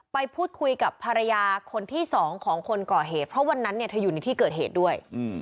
ไปพูดคุยกับภรรยาคนที่สองของคนก่อเหตุเพราะวันนั้นเนี่ยเธออยู่ในที่เกิดเหตุด้วย